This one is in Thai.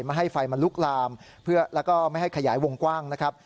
ไม่ให้ไฟมันลุกลามแล้วก็ไม่ให้ขยายวงกว้างนะครับ